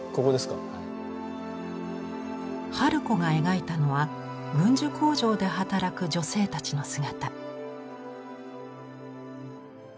春子が描いたのは軍需工場で働く女性たちの姿。